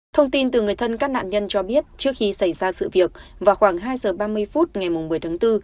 thông tin từ người thân các nạn nhân cho biết trước khi xảy ra sự việc vào khoảng hai giờ ba mươi phút ngày một mươi tháng bốn